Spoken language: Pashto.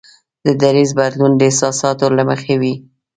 د دریځ بدلول د احساساتو له مخې وي.